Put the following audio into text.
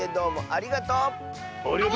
ありがとう！